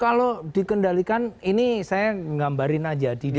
kalau dikendalikan ini saya ngambarin aja di dunia